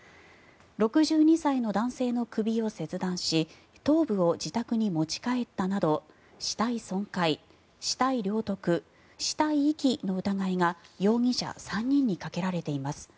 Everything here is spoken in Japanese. ６２歳の男性の首を切断し頭部を自宅に持ち帰ったなど死体損壊、死体領得、死体遺棄の疑いが容疑者３人にかけられています。